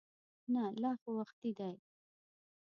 نه لا خو وختي دی.